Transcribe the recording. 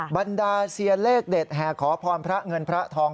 บรรดาเซียนเลขเด็ดแห่ขอพรพระเงินพระทอง